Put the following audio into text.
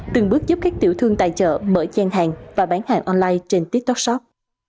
từng bước giúp các tiểu thương tại chợ mở gian hàng và bán hàng online trên tiktok shop